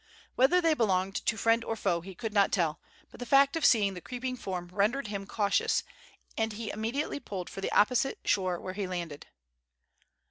Whether they belonged to friend or foe he could not tell; but the fact of seeing the creeping form rendered him cautious, and he immediately pulled for the opposite shore, where he landed.